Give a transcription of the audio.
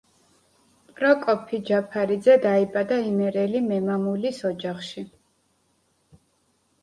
პროკოფი ჯაფარიძე დაიბადა იმერელი მემამულის ოჯახში.